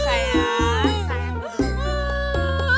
sayang duduk dulu